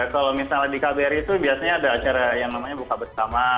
kalau misalnya di kbri itu biasanya ada acara yang namanya buka bersama